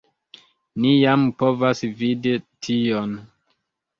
Ni jam povas vidi tion.